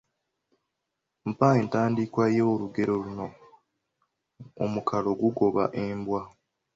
Mpa entandikwa y’olugero luno: ….…,omukalo gugoba embwa.